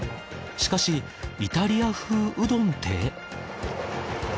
しかしイタリア風うどんって？